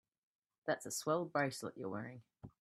That's a swell bracelet you're wearing.